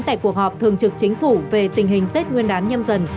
tại cuộc họp thường trực chính phủ về tình hình tết nguyên đán nhâm dần